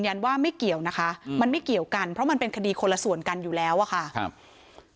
ฟังท่านเพิ่มค่ะบอกว่าถ้าผู้ต้องหาหรือว่าคนก่อเหตุฟังอยู่